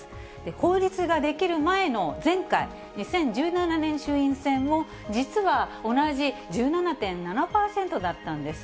法律が出来る前の前回・２０１７年衆院選も、実は同じ１７．７％だったんです。